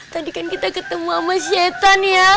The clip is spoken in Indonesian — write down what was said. tadi kan kita ketemu sama setan ya